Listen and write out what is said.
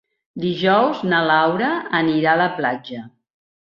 Dijous na Laura anirà a la platja.